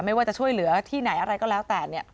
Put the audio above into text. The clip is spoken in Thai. ไม่ว่าจะช่วยเหลือที่ไหนอะไรก็แล้วแต่